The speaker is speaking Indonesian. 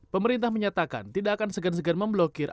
pemerintah menyatakan tidak akan segan segan memblokir